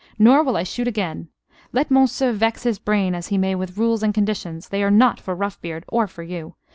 Nor will I shoot again. Let Monceux vex his brain as he may with rules and conditions they are not for Roughbeard, or for you.